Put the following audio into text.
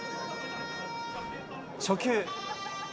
初球。